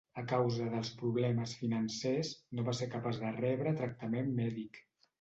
A causa dels problemes financers, no va ser capaç de rebre tractament mèdic.